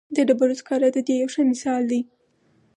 د ډبرو سکاره د دې یو ښه مثال دی.